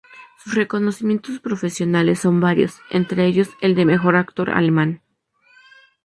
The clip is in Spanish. Sus reconocimientos profesionales son varios, entre ellos el de mejor actor alemán.